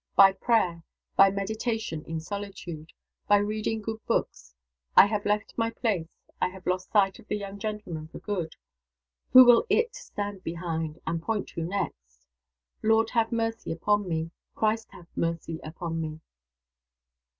By prayer. By meditation in solitude. By reading good books. I have left my place. I have lost sight of the young gentleman for good. Who will IT stand behind? and point to next? Lord have mercy upon me! Christ have mercy upon me!"